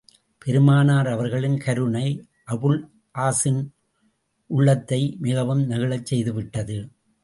பெருமானார் அவர்களின் கருணை, அபுல் ஆஸின் உள்ளத்தை மிகவும் நெகிழச் செய்துவிட்டது.